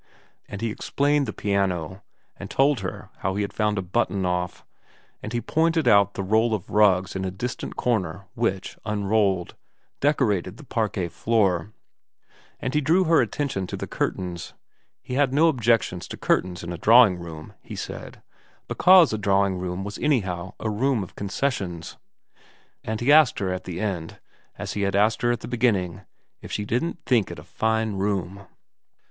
And he explained the piano, and told her how he had found a button off, and he pointed out the roll of rugs in a distant corner which, unrolled, decorated the parquet floor, and he drew her attention to the curtains, he had no objections to curtains in a drawing room, he said, because a drawing room was anyhow a room of concessions ; and he asked her at the end, as he had asked her at the beginning, if she didn't think it a fine room.